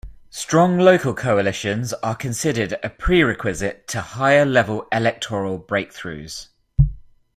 Strong local coalitions are considered a pre-requisite to higher-level electoral breakthroughs.